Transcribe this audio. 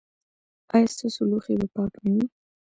ایا ستاسو لوښي به پاک نه وي؟